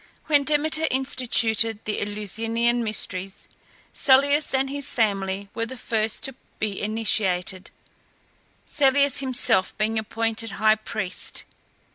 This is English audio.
When Demeter instituted the Eleusinian Mysteries, Celeus and his family were the first to be initiated, Celeus himself being appointed high priest.